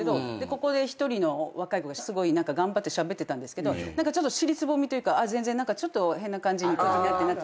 ここで１人の若い子がすごい頑張ってしゃべってたけどちょっと尻すぼみというか何かちょっと変な感じになって。